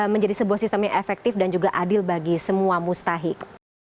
menjadi sebuah sistem yang efektif dan juga adil bagi semua mustahik